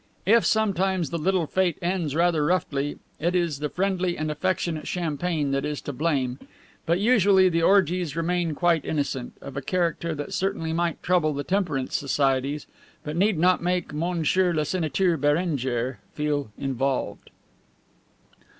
If sometimes the little fete ends rather roughly, it is the friendly and affectionate champagne that is to blame, but usually the orgies remain quite innocent, of a character that certainly might trouble the temperance societies but need not make M. le Senateur Berenger feel involved.